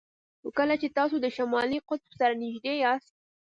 خو کله چې تاسو د شمالي قطب سره نږدې یاست